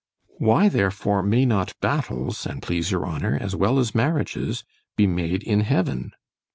—— ——Why, therefore, may not battles, an' please your honour, as well as marriages, be made in heaven?